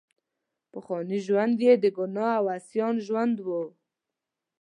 پخوانی ژوند یې د ګناه او عصیان ژوند وو.